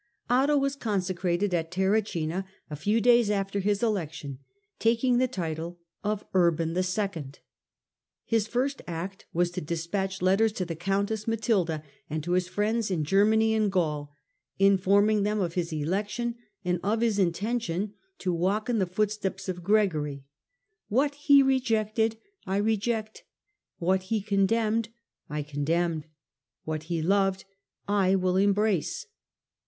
Otto was consecrated at Terracina a few days after his election, taking the title of Urban II* His first act was to despatch letters to the countess Matilda, and to his friends in Germany and Gaul, informing them of his election and of his intention to walk in the footsteps of Gregory ;' what he rejected I reject, what he condemned I condemn, what he loved I embrace.'